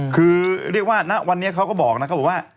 คือเรียกว่าณวันนี้เขาก็บอกนะเขาบอกว่า